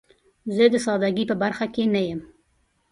زه د سادګۍ په برخه کې نه یم.